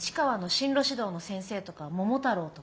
進路指導の先生とか桃太郎が？